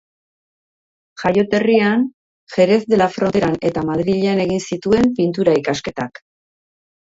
Jaioterrian, Jerez de la Fronteran eta Madrilen egin zituen pintura-ikasketak.